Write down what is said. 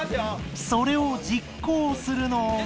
［それを実行するのは］